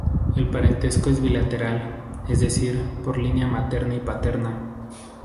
El parentesco es bilateral, es decir, por línea materna y paterna.